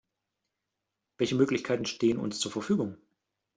Welche Möglichkeiten stehen uns zur Verfügung?